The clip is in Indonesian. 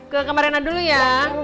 ke kemarin dulu ya